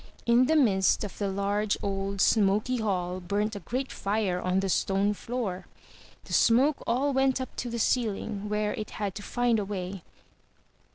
In the midst of the large, old, smoky hall burnt a great fire on the stone floor. The smoke all went up to the ceiling where it had to find a way.